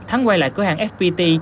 thắng quay lại cửa hàng fpt